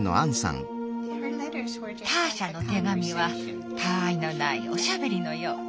ターシャの手紙はたあいのないおしゃべりのよう。